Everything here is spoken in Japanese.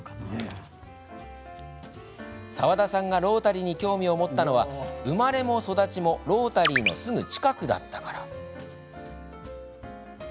澤田さんがロータリーに興味を持ったのは生まれも育ちもロータリーのすぐ近くだったから。